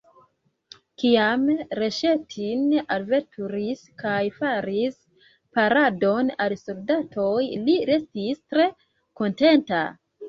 Kiam Reŝetin alveturis kaj faris paradon al soldatoj, li restis tre kontenta.